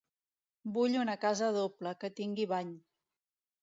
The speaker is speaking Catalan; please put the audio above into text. Vull una casa doble, que tingui bany.